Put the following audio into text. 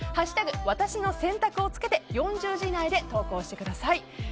ワタシの選択」をつけて４０字以内で投稿してください。